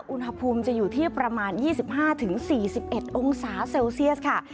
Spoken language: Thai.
อุณหภูมิจะอยู่ที่ประมาณ๒๕๔๑องศาเซลเซียสค่ะ